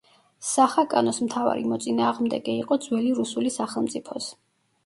სახაკანოს მთავარი მოწინააღმდეგე იყო ძველი რუსული სახელმწიფოს.